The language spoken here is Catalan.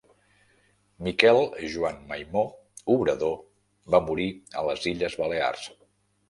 Miquel Joan Maimó Obrador va morir a les Illes Balears.